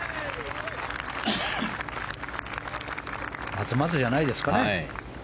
まずまずじゃないですか。